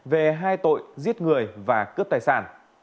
về hai tội giết người và cướp tài sản